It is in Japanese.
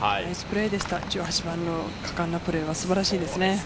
１８番の果敢なプレーは素晴らしいですね。